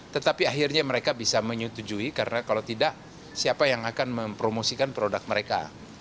tetapi akhirnya mereka bisa menyetujui karena kalau tidak siapa yang akan mempromosikan produk mereka